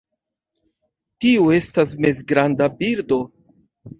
Tiu estas mezgranda birdo.